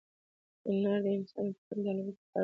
هنر د انسان د تخیل د الوت لپاره وزرونه ورکوي.